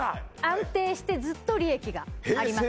安定してずっと利益がありますね